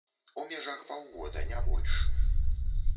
У межах паўгода, не больш.